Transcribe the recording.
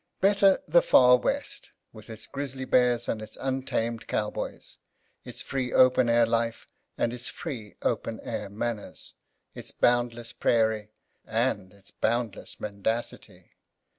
Better the Far West with its grizzly bears and its untamed cowboys, its free open air life and its free open air manners, its boundless prairie and its boundless mendacity!